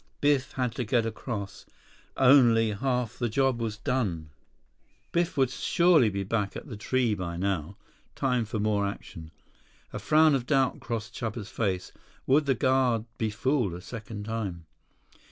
Biff had to get across. Only half the job was done. Biff would surely be back at the tree by now. Time for more action. A frown of doubt crossed Chuba's face. Would the guard be fooled a second time?